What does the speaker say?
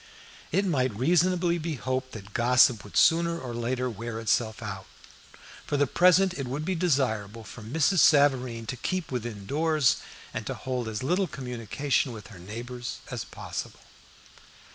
It might reasonably be hoped that gossip would sooner or later wear itself out. For the present it would be desirable for Mrs. Savareen to keep within doors, and to hold as little communication with her neighbors as possible.